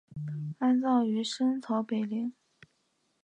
安葬于深草北陵。